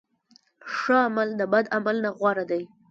ښه عمل د بد عمل نه غوره دی.